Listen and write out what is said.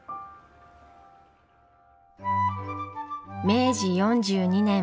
明治４２年。